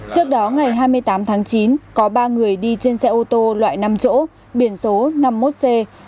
trước đó ngày hai mươi tám tháng chín có ba người đi trên xe ô tô loại năm chỗ biển số năm mươi một c